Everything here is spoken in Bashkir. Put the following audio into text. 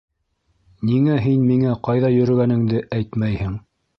Ниңә һин миңә ҡайҙа йөрөгәнеңде әйтмәйһең?